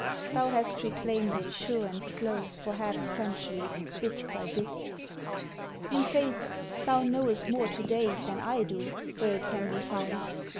Thou hast reclaimed it sure and slow For half a century, bit by bit. In faith thou knowest more to day Than I do, where it can be found!